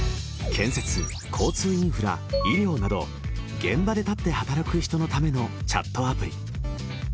建設交通インフラ医療など現場で立って働く人のためのチャットアプリ